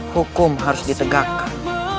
hukum harus ditegakkan